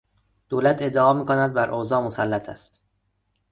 دولت ادعا میکند که بر اوضاع مسلط است.